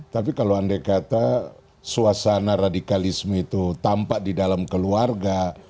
tapi kalau andai kata suasana radikalisme itu tampak di dalam keluarga